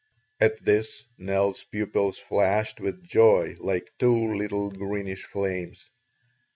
At this Nell's pupils flashed with joy like two little greenish flames.